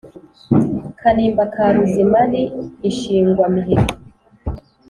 Kanimba ka Ruzima ni Inshingwa-miheto